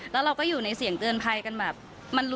แล้วเราก็อยู่ในเสียงเตือนภัยกันแบบ